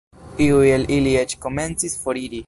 Iuj el ili eĉ komencis foriri.